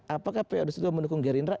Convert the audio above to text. apakah pa dua ratus dua belas mendukung gerindra